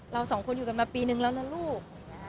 เราสองคนอยู่กันมาปีนึงแล้วนะลูก